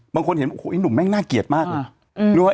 บางคนเห็นไอ้หนุ่มแม่งน่าเกลียดมากเลย